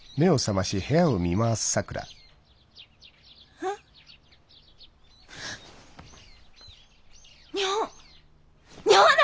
えっ？日本日本だ！